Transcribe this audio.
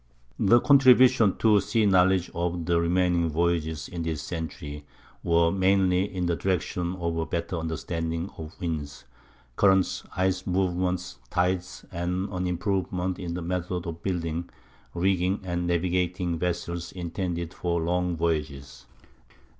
The contribution to sea knowledge of the remaining voyages in this century were mainly in the direction of a better understanding of winds, currents, ice movements, tides, and an improvement in the methods of building, rigging, and navigating vessels intended for long voyages.